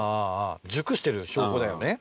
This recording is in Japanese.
熟してる証拠だよね。